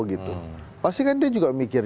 gitu pasti kan dia juga mikir